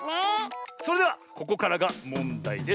それではここからがもんだいです。